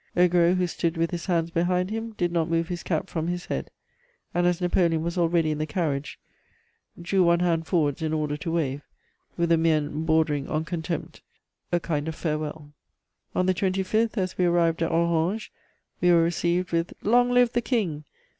Augereau, who stood with his hands behind him, did not move his cap from his head, and as Napoleon was already in the carriage, drew one hand forwards in order to wave, with a mien bordering on contempt, a kind of farewell.... "On the 25th, as we arrived at Orange, we were received with 'Long live the King!